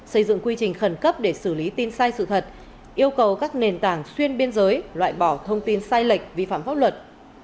xây dựng quy trình khẩn cấp để xử lý tin sai sự thật yêu cầu các nền tảng xuyên biên giới loại bỏ thông tin sai lệch vi phạm pháp luật